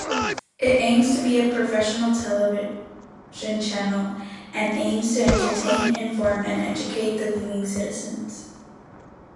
It aims to be a professional television channel and aims to entertain, inform and educate the viewing citizens.